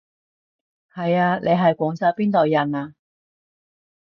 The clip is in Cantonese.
係啊，你係廣州邊度人啊？